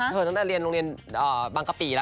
เธอนั้นตั้งแต่เรียนโรงเรียนบางปีอะ